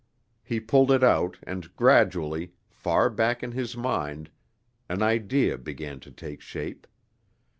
He pulled it out, and gradually, far back in his mind, an idea began to take shape.